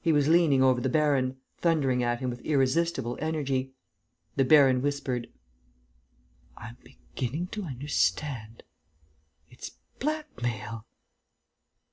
He was leaning over the baron, thundering at him with irresistible energy. The baron whispered: "I'm beginning to understand. It's blackmail...."